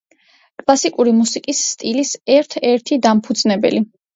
კლასიკური მუსიკის სტილის ერთ-ერთი დამფუძნებელი.